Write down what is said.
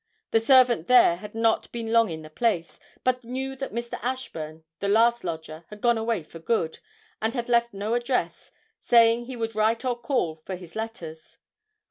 The servant there had not been long in the place, but knew that Mr. Ashburn, the last lodger, had gone away for good, and had left no address, saying he would write or call for his letters.